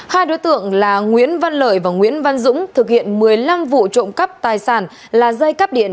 hai đối tượng là nguyễn văn lợi và nguyễn văn dũng thực hiện một mươi năm vụ trộm cắp tài sản là dây cắp điện